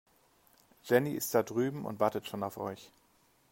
Jenny ist da drüben und wartet schon auf euch.